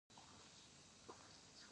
آریابهټا صفر اختراع کړ.